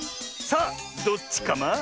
さあどっちカマ？